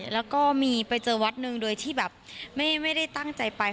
แล้วก็มีไปเจอวัดหนึ่งโดยที่แบบไม่ได้ตั้งใจไป